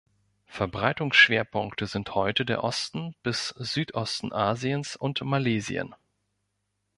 Verbreitungsschwerpunkte sind heute der Osten bis Südosten Asiens und Malesien.